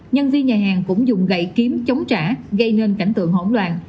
nhân viên nhà hàng cũng dùng gậy kiếm chống trả gây nên cảnh tượng hỗn loạn